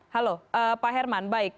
halo pak herman baik